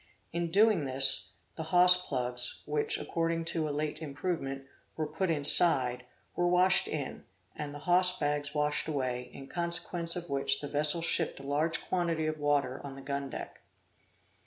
In doing this, the hawse plugs, which according to a late improvement, were put inside, were washed in, and the hawse bags washed away, in consequence of which the vessel shipped a large quantity of water on the gun deck.